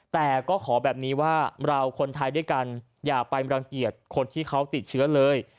แต่ก็ขอแบบนี้ว่าเราคนไทยด้วยกันอย่าไปรังเกียจคนที่เขาติดเชื้อเลย